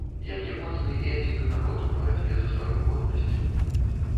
Які моцны і адзіны народ у барацьбе за сваю годнасць.